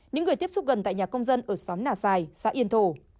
những người tiếp xúc gần tại nhà công dân ở xóm nà xài xã yên thổ